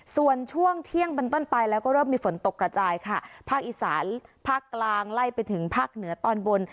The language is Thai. ส่วนช่วงเที่ยงเป็นต้นไปแล้วก็เริ่มมีฝนตกกระจายค่ะภาคอีสานภาคกลางไล่ไปถึงภาคเหนือตอนบน